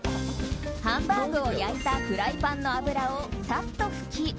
ハンバーグを焼いたフライパンの油をサッと拭き